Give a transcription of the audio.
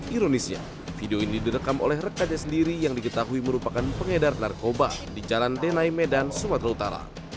ironisnya video ini direkam oleh rekannya sendiri yang diketahui merupakan pengedar narkoba di jalan denai medan sumatera utara